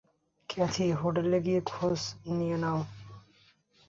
Kathy, হোটেলে গিয়ে খোঁজ খবর নিও।